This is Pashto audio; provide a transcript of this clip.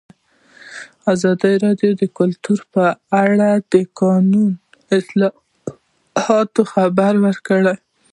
ازادي راډیو د کلتور په اړه د قانوني اصلاحاتو خبر ورکړی.